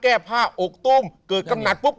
แก้ผ้าอกต้มเกิดกำหนักปุ๊บ